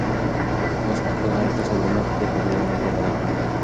آس په خپل حرکت سره د مرګ پرېکړه په ژوند بدله کړه.